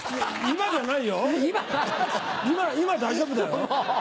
今大丈夫だよ。